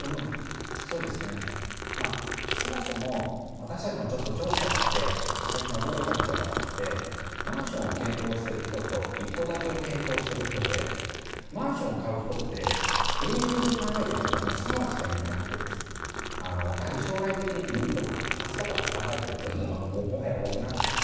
そもそも私たちもちょっと調査をして最近驚いたことがあってマンションを検討している人と一戸建てを検討している人ってマンションを買う人って永住で考えている人がもう３割しかいなくてやはり将来的に売るとか貸すとかって考えている人のほうがもはや多くなっている。